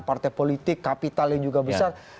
partai politik kapital yang juga besar